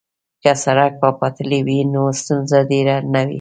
که سړک یا پټلۍ وي نو ستونزه ډیره نه وي